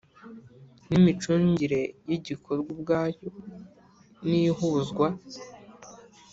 N imicungire y igikorwa ubwayo n ihuzwa